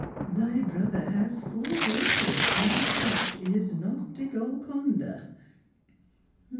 My brother has four daughters, and the Church is not a Golconda."